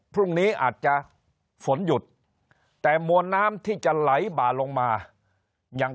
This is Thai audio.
พรุ่งนี้อาจจะฝนหยุดแต่มวลน้ำที่จะไหลบ่าลงมายัง